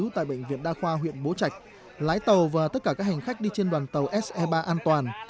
tại bệnh viện đa khoa huyện bố trạch lái tàu và tất cả các hành khách đi trên đoàn tàu se ba an toàn